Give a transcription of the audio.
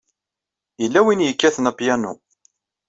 Yella win i yekkaten apyanu.